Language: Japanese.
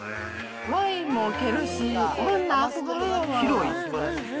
ワインも置けるし、広い。